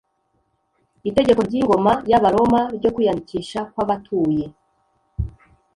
Itegeko ry'ingoma y'Abaroma ryo kwiyandikisha kw'abatuye